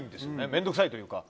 面倒くさいというか。